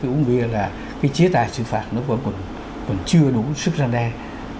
cái uống bia là cái chế tài sự phạt nó vẫn chưa đủ sức ra đen